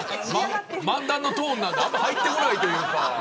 漫談のトーンなんであんま入ってこないというか。